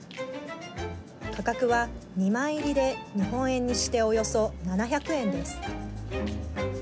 価格は２枚入りで日本円にしておよそ７００円です。